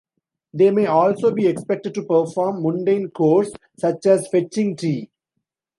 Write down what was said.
They may also be expected to perform mundane chores, such as fetching tea.